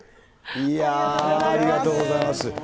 いやー、ありがとうございます。